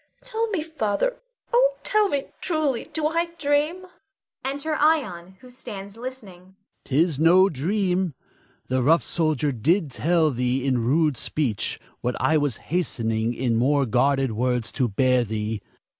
Tell me, Father, oh, tell me truly, do I dream? [Enter Ion, who stands listening. Adrastus. 'Tis no dream. The rough soldier did but tell thee in rude speech, what I was hastening in more guarded words to bear thee.